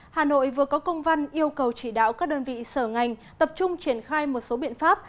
hà nội vừa có công văn yêu cầu chỉ đạo các đơn vị sở ngành tập trung triển khai một số biện pháp